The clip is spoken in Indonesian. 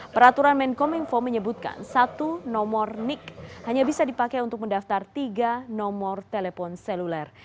peraturan menkom info menyebutkan satu nomor nik hanya bisa dipakai untuk mendaftar tiga nomor telepon seluler